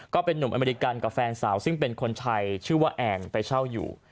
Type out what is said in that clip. ก็เป็นนุ่มอเมริกันกับแฟนสาวซึ่งเป็นคนไทยชื่อว่าแอนไปเช่าอยู่